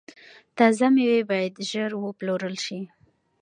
تازه میوې باید ژر وپلورل شي.